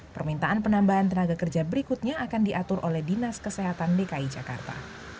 permintaan penambahan tenaga kerja berikutnya akan diatur oleh dinas kesehatan dki jakarta